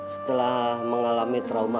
setelah mengalami trauma